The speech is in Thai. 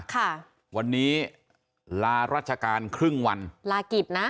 ค่ะวันนี้ลารัชการครึ่งวันลากิจนะ